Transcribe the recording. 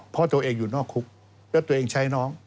เพราะตัวเองอยู่นอกคุกแล้วตัวเองใช้น้อง